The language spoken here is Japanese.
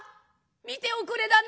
見ておくれだね？